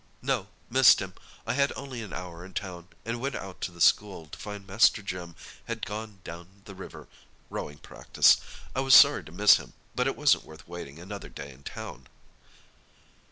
"No—missed him. I had only an hour in town, and went out to the school, to find Master Jim had gone down the river—rowing practice. I was sorry to miss him; but it wasn't worth waiting another day in town."